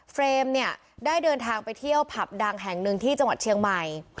รมเนี่ยได้เดินทางไปเที่ยวผับดังแห่งหนึ่งที่จังหวัดเชียงใหม่